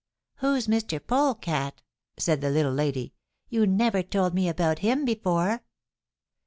"Who's Mr. Polecat?" said the Little Lady. "You never told me about him before."